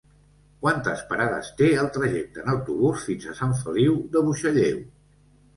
Quantes parades té el trajecte en autobús fins a Sant Feliu de Buixalleu?